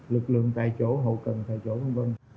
lực lượng tại chỗ hậu cần tại chỗ v v